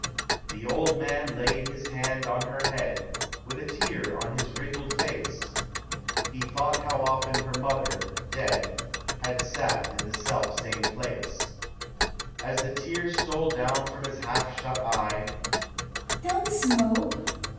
The old man laid his hand on her head, With a tear on his wrinkled face; lie thought how oft on her mother, dead, Had sat in the self same place. As the tear stole down from his half shut eye, "Don't smoke!"